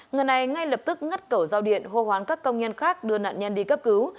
người này ngay lập tức ngắt cổ giao điện hô hoán các công nhân khác đưa nạn nhân đi cấp cứu